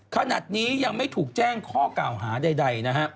ขณะนี้ยังไม่ถูกแจ้งข้อกล่าวหาใดนะฮะ